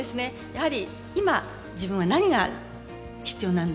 やはり「今自分は何が必要なんだろう」